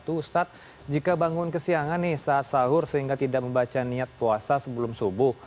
ustadz jika bangun kesiangan nih saat sahur sehingga tidak membaca niat puasa sebelum subuh